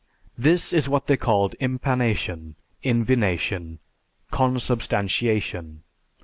This is what they called impanation, invination, consubstantiation.